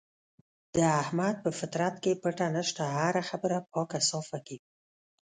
د احمد په فطرت کې پټه نشته، هره خبره پاکه صافه کوي.